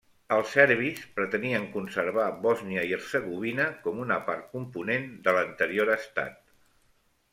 Els serbis pretenien conservar Bòsnia i Hercegovina com una part component de l'anterior estat.